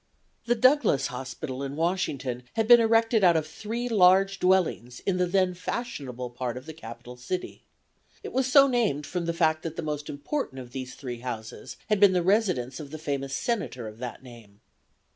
The Douglas Hospital in Washington had been erected out of three large dwellings in the then fashionable part of the Capital City. It was so named from the fact that the most important of these three houses had been the residence of the famous Senator of that name.